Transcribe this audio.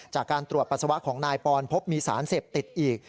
จากการตรวจปัสสาวะของนายปอนพบมีสารเสพติดอีก